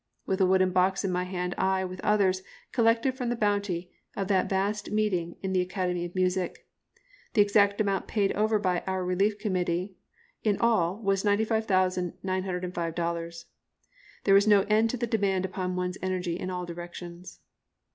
With a wooden box in my hand I, with others, collected from the bounty of that vast meeting in the Academy of Music. The exact amount paid over by our relief committee in all was $95,905. There was no end to the demand upon one's energy in all directions.